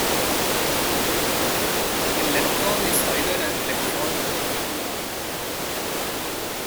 The lepton is either an electron or a muon.